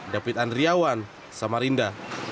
david andriawan samarinda